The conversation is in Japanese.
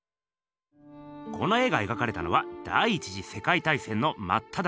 この絵が描かれたのは第１次世界大戦のまっただ中。